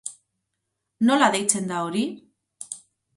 Nola deitzen da hori?